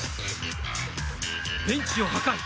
ベンチを破壊。